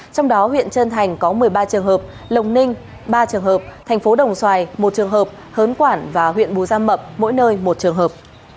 trong đó huyện trân thành có một mươi ba trường hợp lồng ninh ba trường hợp thành phố đồng xoài một trường hợp hớn quản và huyện bù gia mậm mỗi nơi một trường hợp